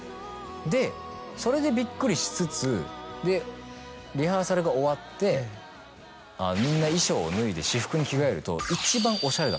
でそれでびっくりしつつリハーサルが終わってみんな衣装を脱いで私服に着替えると。